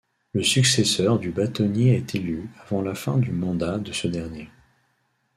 Le successeur du bâtonnier est élu avant la fin du mandat de ce dernier.